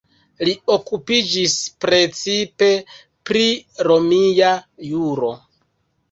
Li okupiĝis precipe pri romia juro.